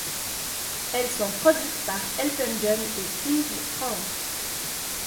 Elles sont produites par Elton John et Clive Franks.